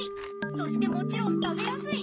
そしてもちろん食べやすい！